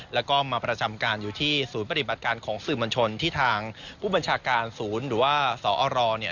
แล้วก็มาประจำการอยู่ที่ศูนย์ปฏิบัติการของสื่อมวลชนที่ทางผู้บัญชาการศูนย์หรือว่าสอร